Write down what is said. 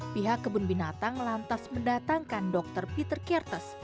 pihak kebun binatang lantas mendatangkan dokter peter kertes